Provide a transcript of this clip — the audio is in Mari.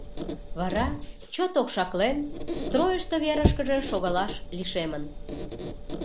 Вара, чот окшаклен, стройышто верышкыже шогалаш лишемын.